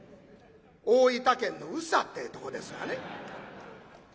大分県の宇佐ってえとこですがね。